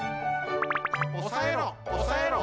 おさえろおさえろ！